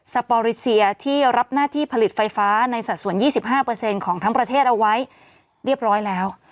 ปอริเซียที่รับหน้าที่ผลิตไฟฟ้าในสัดส่วน๒๕ของทั้งประเทศเอาไว้เรียบร้อยแล้ว